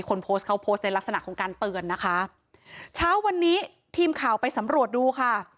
คนโพสต์เขาโพสต์ในลักษณะของการเตือนนะคะเช้าวันนี้ทีมข่าวไปสำรวจดูค่ะ